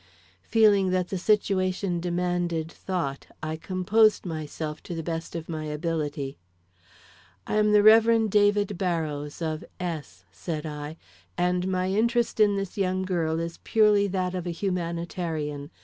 Feeling that the situation demanded thought, I composed myself to the best of my ability. "I am the Rev. David Barrows of S ," said I, "and my interest in this young girl is purely that of a humanitarian.